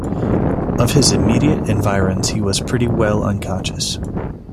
Of his immediate environs he was pretty well unconscious.